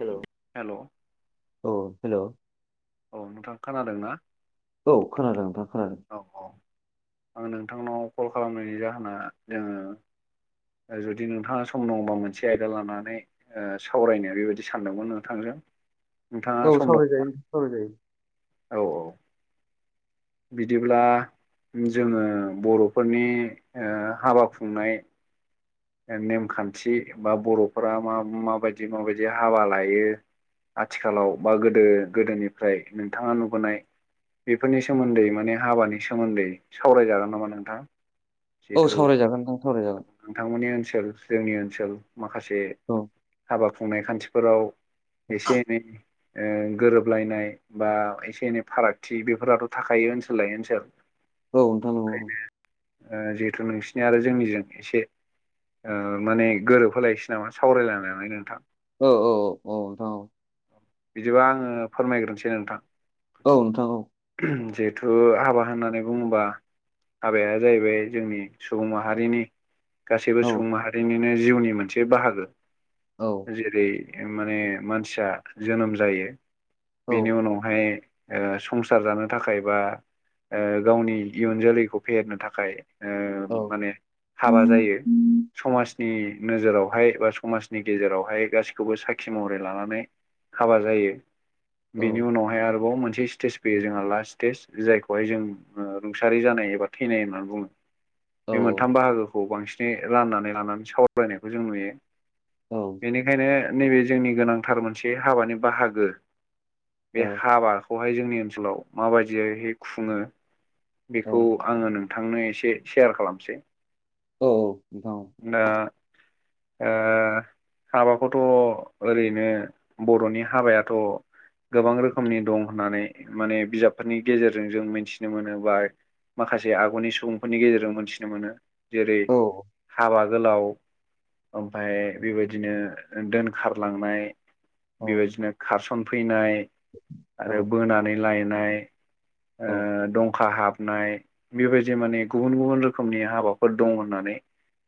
Hello hello औ hello औ नोंथाङा खोनादों ना? औ खोनादों नोंथां खोनादों। औ औ आं नोंथांनाव कल खालामनायनि जाहोना जोङो जुदि नोंथाङा सम दांबा मोनसे आयदा लानानै सावरायनो बेबायदि सानदोंमोन नोंथांजों। नोंथाङा औ सम दंना सावरायजायो सावरायजायो औ औ बिदिब्ला जोङो बर'फोरनि ओ हाबा खुंनाय नेमखान्थि बा बर'फोरा मा माबायदि माबायदि हाबा लायो आथिखालाव बा गोदो गोदोनिफ्राय नोंथाङा नुबोनाय बेफोरनि सोमोन्दै माने हाबानि सोमोन्दै सावरायजागोन नामा नोंथां? औ जिहेथु सावरायजागोन नोंथां। सावरायजागोन। नोंथांमोननि ओनसोल जोंनि ओनसोल माखासे औ हाबा खुंनाय खान्थिफोराव एसे एनै गोरोबलायनाय बा एसे एनै फारागथि बेफोराथ' थाखायो ओनसोल लायै ओनसोल औ नोंथां औ जिहेथु नोंसिनि आरो जोंनिजों एसे ओ माने गोरोबहोलायसै नामा सावरायलायनानै नोंथां। औ औ औ औ नोंथां औ। बिदिबा आङो फोरमायग्रोनोसै नोंथां। औ नोंथां औ। जिहेथु हाबा होननानै बुङोबा हाबाया जाहैबाय जोंनि सुबुं माहारिनि गासैबो औ नोंथां औ सुबुं माहारिनिनो जिउनि मोनसे बाहागो औ जेरै- माने मानसिया जोनोम जायो बेनि उनावहाय ओ संसार जानो थाखाय बा ओ गावनि इयुन जोलैखौ फेहेरनो थाखाय ओ औ माने हाबा जायो। समाजनि नोजोरावहाय बा समाजनि गेजेरावहाय गासिखौबो साखि महरै लानानै हाबा जायो ।बेनि उनावहाय आरोबाव मोनसे स्टेज फैयो जोंहा लास्ट स्टेज जायखौहाय जों रुंसारि जानाय एबा थैनाय होननानै बुङो। बे मोनथाम बाहागोखौ बांसिनै राननानै लानानै सावरायलायनायखौ जों नुयो। औ। बेनिखायनो नैबे जोंनि गोनांथार मोनसे हाबानि बाहागो बे औ हाबाखौहाय जोंनि ओनसोलाव माबायदियै खुङो। औ बेखौ आङो नोंथांनो एसे सेयार खालामसै औ औ औ ओ ओ हाबाखौथ' ओरैनो बर'नि हाबायाथ' गोबां रोखोमनि दं होननानै माने बिजाबफोरनि गेजेरजों जों मिथिनो मोनो बा माखासे आगुनि सुबुंफोरनि गेजेरजों मोनथिनो मोनो। औ जेरै-हाबा गोलाव ओमफाय बेबायदिनो दोनखारलांनाय बेबायदिनो खारसन फैनाय औ आरो बोनानै लायनाय औ ओ दंखा हाबा नाय बेबायदि माने गुबुन गुबुन रोखोमनि हाबाफोर दं होननानै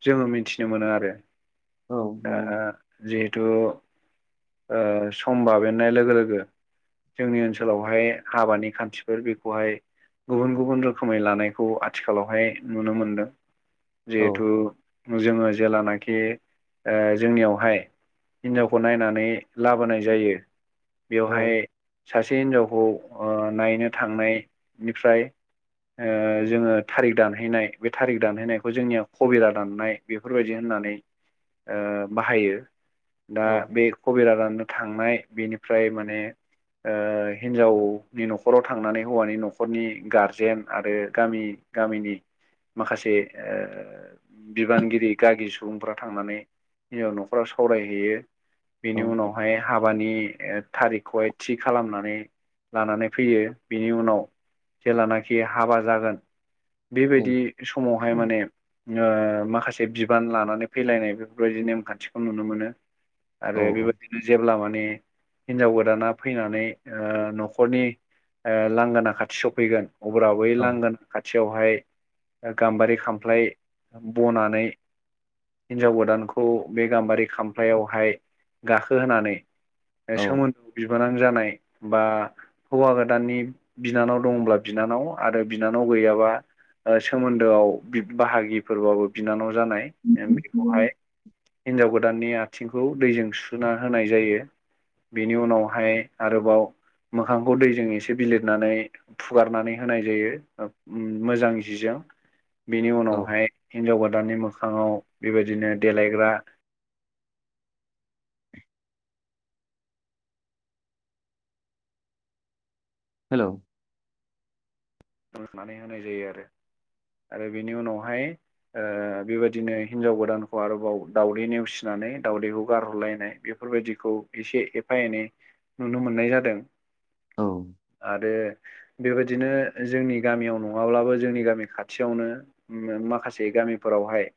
जोङो मिथिनो मोनो आरो औ दा नंगौ जिहेथु ओ सम बाबेननाय लोगो लोगो जोंनि ओनसोलावहाय हाबानि खान्थिफोर बेखौहाय गुबुन गुबुन रोखोमै लानायखौ आथिखालावहाय नुनो मोनदों। औ जिहेथु जोङो जेलानाखि ओ जोंनियावहाय हिन्जावखौ नायनानै लाबोनाय जायो। औ बेवहाय सासे हिनजावखौ ओ नायनो थांनायनिफ्राय ओ जोङो थारिक दानहैनाय बे थारिख दानहैनायखौ जोंनिया फबिरा दाननाय बेफोरबायदि होननानै बाहायो औ दा बे खबिरा राननो थांनाय बेनिफ्राय माने ओ हिनजावनि न'खराव थांनानै हौवानि न'खरनि गारजेन आरो गामि गामिनि माखासे ओ बिबानगिरि गागि सुबुंफ्रा थांनानै हिनजाव न'खराव सावरायहैयो बेनि उनावहाय हाबानि ओ थारिखखौहाय थि खालामनानै लानानै फैयो बेनि उनाव जेलानाखि हाबा जागोन बेबायदि समावहाय माने ओ माखासे बिबान लानानै फैलायनाय बेफोरबायदि नेमखान्थिखौ नुनो मोनो आरो बेबायदिनो जेब्ला माने हिनजाव गोदाना फैनानै ओ न'खरनि ओ लांगोना खाथि सफैगोन अब्ला बै लांगोना खाथियावहाय गाम्बारि खामफ्लाय बनानै हिनजाव गोदानखौ बे गाम्बारि खामफ्लायावहाय गाखोहोनानै औ सोमोन बिबोनां जानाय बा हौवा गोदाननि बिनानाव दंब्ला बिनानाव आरो बिनानाव गैयाबा ओ सोमोन्दोआव बाहागिफोरबाबो बिनानाव जानाय बेखौहाय हिन्जाव गोदाननि आथिंखौ दैजों सुुना होनाय जायो बेनि उनावहाय आरोबाव मोखांखौ दैजों एसे बिलिरनानै फुगारनानै होनाय जायो मोजां जिजों बिनि औ उनावहाय हिनजाव गोदाननि मोखाङाव बेबायदिनो देलायग्रा हेलौ [unintelligible] होनाय जायो आरो आरो बेनि उनावहाय ओ बेबायदिनो हिनजाव गोदानखौ आरोबाव दाउदै नेवसिनानै दाउदैखौ गारहरलायनाय बे फोरबायदिखौ एसे एफा एनै नुनो मोननाय जादों औ आरो बेबायदिनो जोंनि गामियाव नङाब्लाबो जोंनि गामि खाथियावनो माखासे गामिफोरावहाय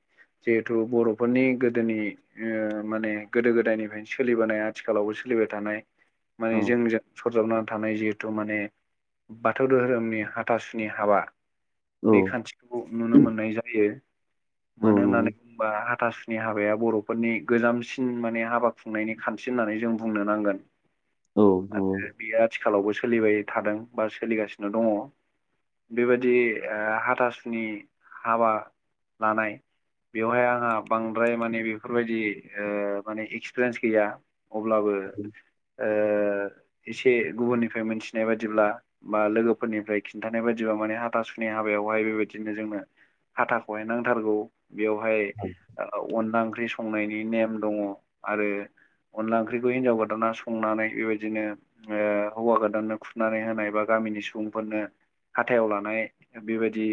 जिहेथु बर'फोरनि गोदोनि ओ माने गोदो गोदायनिफ्रायनो सोलिबोनाय आथिखालावबो सोलिबाय थानाय माने औ जोंजों सरजाबनानै थानाय जिहेथु माने बाथौ दोहोरोमनि हाथासुनि हाबा बे औ खान्थिखौ नुनो मोननाय जायो औ मानो नंगौ होननानै होनबा हाथासुनि हाबाया बर'फोरनि गोजामसिन माने हाबा खुंनायनि खान्थि होननानै जों बुंनो नांगोन औ आरो नंगौ बेयो आथिखालावबो सोलिबाय थादों बा सोलिगासिनो दङ बेबायदि ओ हाथासुनि हाबा लानाय बेवहाय आंहा बांद्राय माने बेफोरबायदि ओ माने एक्सपिरियेन्स गैया अब्लाबो ओ एसे गुबुननिफ्राय मोनथिनाय बादिब्ला बा लोगोफोरनिफ्राय खिन्थानाय बायदिबा माने हाथा सुनि हाबायावहाय बेबायदिनो जोंनो हाथाखौहाय नांथारगौ बेवहाय औ अनला ओंख्रि संनायनि नेम दङ आरो अनला ओंख्रिखौ हिन्जाव गोदाना संनानै बेबायदिनो ओ हौवा गोदाननो खुरनानै होनाय बा गामिनि सुबुंफोरनो हाथायाव लानाय बेबायदि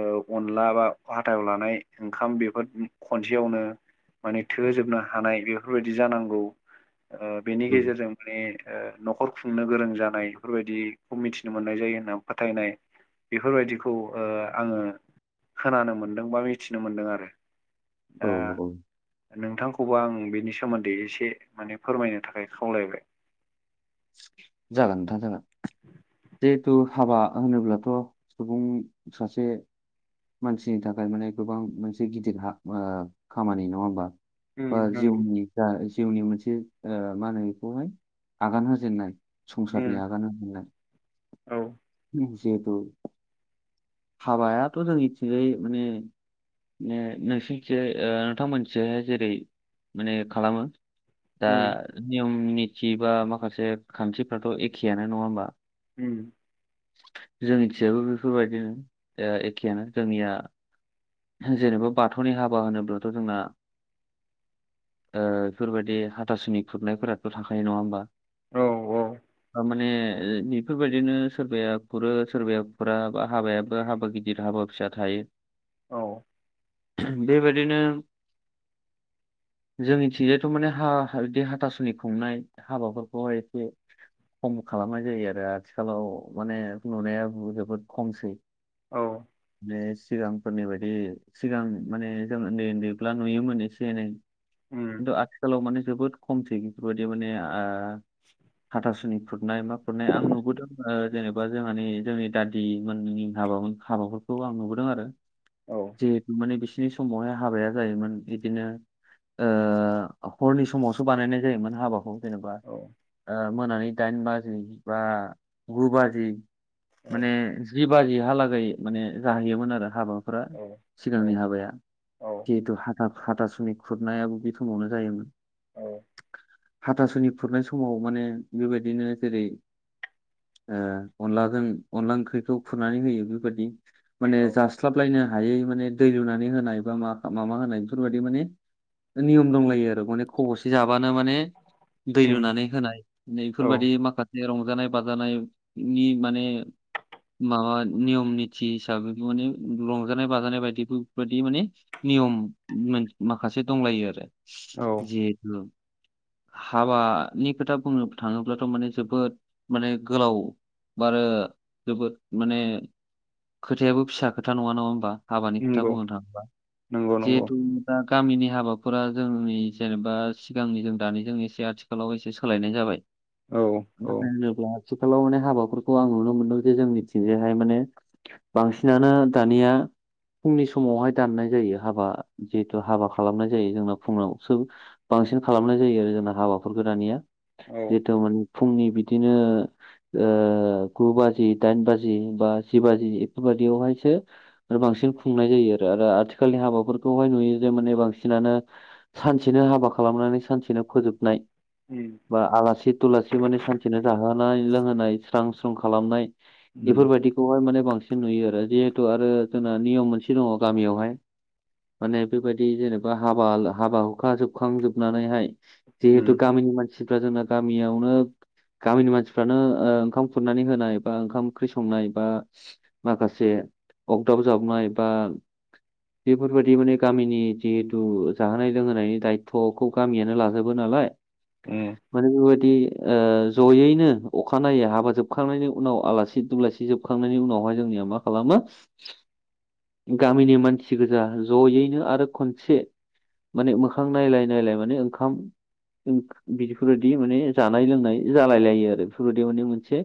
ओ अनला बा हाथायाव लानाय ओंखाम बेखौ खनसेयावनो माने थोहोजोबनो हानाय बेफोरबायदि जानांगौ ओ बेनि औ गेजेरजों माने ओ न'खर खुंनो गोरों जानाय बेफोरबायदिखौ मिथिनो मोननाय जायो होनना बुंनाय फोथायनाय बेफोरबायदिखौ ओ आङो खोनानो मोनदों बा मिथिनो मोनदों आरो औ दा औ नोंथांखौबो आं बेनि सोमोन्दै एसे माने फोरमायनो थाखाय खावलायबाय जागोन नोंथां जागोन जिहेथु हाबा होनोब्लाथ' सुबुं सासे मानसिनि थाखाय माने गोबां मोनसे गिदिर हा ओ खामानि नङा होमबा उम बा नंगौ जिउनि जा जिउनि मोनसे ओ मा होनो बेखौहाय आगान होजेननाय संसारनि उम आगान होनाय औ जिहेथु हाबायाथ' जोंनिथिंजाय माने माने नोंसनिखिजाय ओ नोंथांमोनिखैजाय जेरै माने खालामो दा उम नियम निथि बा माखासे खान्थिफ्राथ' एखेयानो नङा होमबा? उम। जोंनिथिंजाबो बेफोरबायदिनो एखेयानो, जोंनिया जेनेबा बाथौनि हाबा होनोब्लाथ' जोंना ओ बेफोरबायदि हाथासुनि खुरनायफोराथ' थाखायो नङा होमबा? औ औ। माने ओ बेफोरबायदिनो सोरबाया खुरो सोरबाया खुरा, हाबायाबो हाबा गिदिर हाबा फिसा थायो। औ। बेबायदिनो जोंनिथिंजायथ' माने हा बि हाथासुुलि खुंनाय हाबाफोरखौहाय एसे खम खालामनाय जायो आरो, आथिखालाव माने नुनाया जोबोद खमसै। औ। माने सिगांफोरनि बायदि सिगां माने जों उन्दै उन्दैब्ला नुयोमोन एसे एनै। उम खिनथु आथिखालाव माने जोबोद खमसै बेफोरबायदि माने ओ हाथासुनि खुरनाय मा खुरनाय आं नुबोदों ओ जेनेबा जोंहानि जोंनि दादि मोननि हाबामोन हाबा खौ आं नुबोदों आरो। औ औ। जिहेतु माने बिसिनि समावहाय हाबाया जायोमोन बिदिनो ओ हरनि समावसो बानायनाय जायोमोन हाबाखौ। जेन'बा औ ओ मोनानि दाइन बाजि बा गु बाजि औ माने जि बाजिहालागै माने जाहैयोमोन आरो हाबाफोरा, सिगांनि औ हाबाया औ जिहेथु हाथा हाथासुनि खुरनायाबो बे समावनो जायोमोन। औ। हाथासुनि खुरनाय समाव माने बेबायदिनो जेरै ओ अनलाजों अनला ओंख्रिखौ खुरनानै होयो बेबायदि। माने औ जास्लाबलायनो हायै माने दै लुनानै होनाय बा मा माबा होनाय बेफोरबायाददि माने नियम दंलायो आरो माने खब'से जाबानो माने दै उम लुनानै होनाय माने औ बेफोरबायदि माखासे रंजानाय बाजानायनि माने माबा नियम निति हिसाबै माने रंजानाय बाजानाय बायदि बेफोरबायदि माने नियम माखासे दंलायो आरो। औ जेहेथु हाबानि खोथा बुंनो थाङोब्लाथ' माने जोबोद माने गोलाव आरो जोबोद माने खोथायाबो फिसा खोथा नङा, नङा हाबानि खोथा नंगौ बुंनो थाङोब्ला नंगौ नंगौ जिहेथु दा गामिनि हाबाफोरा जोंनि जेनेबा सिगांनि जों दानिजों एसे आथिखाल खालाव एसे सोलायनाय जाबाय औ मानो औ होनोब्ला आथिखालाव माने हाबाफोरखौ आं नुनो मोनदों जे जोंनिथिंजायहाय माने बांसिनानो दानिया फुंनि समावहाय दाननाय जायो हाबा जिहेथु हाबा खालामनाय जायो जोंना फुङाव सोब बांसिन खालामनाय जायो आरो जोंना हाबाफोरखौ दानिया औ जिहेथु माने फुंनि बिदिनो ओ गु बाजि दाइन बाजि बा जि बाजि बेफोरबायदियावहायसो आरो बांसिन खुंनाय जायो आरो आरो आथिखालनि हाबाफोरखौहाय नुयो जे माने बांसिनानो सानसेनो हाबा खालामनानै सानसेनो फोजोबनाय उम बा आलासि थुलासि माने सानसेनो जाहोनाय लोंहोनाय स्रां स्रां खालामनाय। उम बेफोरबायाददिखौहाय माने बांसिन नुयो आरो जिहेथु आरो जोंना नियम मोनसे दङ' गामियावहाय। माने बेबायदि जेनेबा हाबा हाबा हुखा जोबखांजोबनानैहाय। जिहेतु उम गामिनि मानसिफ्रा जोंना गामियावनो गामिनि मानसिफ्रानो ओ ओंखाम खुरनानै होनाय बा ओंखाम ओंख्रि संनाय बा माखासे अगदाब जावनाय बा बेफोरबादि माने गामिनि जिहेथु जाहोनाय लोंहोनायनि दायथ'खौ गामियानो लाजोबो नालाय उम माने बेबादि औ जयैनो अखानायै हाबा जोबखांनायनि उनाव आलासि दुलासि जोबखांनायनि उनावहाय जोंनिया मा खालामो गामिनि मानसि गोजा जयैनो आरो खनसे माने मोखां नायलाय नायलाय माने ओंखाम ओं बिदिफोरोदि माने जानाय लोंनाय जालाय लायो आरो बेफोरबायदि माने मोनसे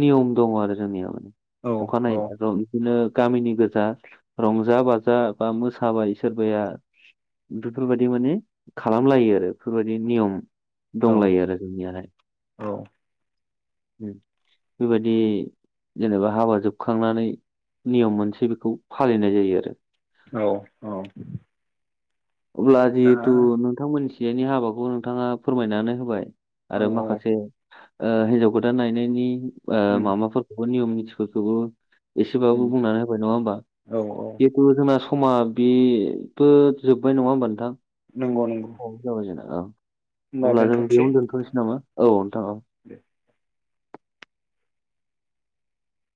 नियम दङ' आरो जोंनिया माने औ औ अखानायै ज' बिदिनो बैनि गोजा रंजा बाजा बा मोसाबाय सोरबाया बेफोरबायदि माने खालामलायो आरो बेफोरबायदि नियम औ दंलायो आरो दुनियाहाय औ बेबायदि जेनेबा हाबा जोबखांनानै नियम मोनसे बेखौ फालिनाय जायो आरो। औ औ अब्ला दा जिहेथु नोंथांमोनथिंजायनि हाबाखौ नोंथाङा फोरमायनानै होबाय। औ आरो औ माखासे ओ हिनजाव गोदान नायनायनि उम माबाफोरखौ नियम निथिफोरखौबो उम एसेबाबो बुंनानै होबाय नङा होमबा औ औ जिहेथु जोंना समा बेबो जोबबाय नङा होमबा नोंथां नंगौ नंगौ औ जाबाय जोंना औ होमबा अब्ला जों दोनथ'नोसै बेयावनो नोंथां दोनथ'नोसै नामा औ नोंथां औ दे